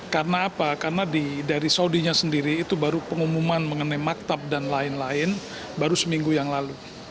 karena apa karena dari saudinya sendiri itu baru pengumuman mengenai maktab dan lain lain baru seminggu yang lalu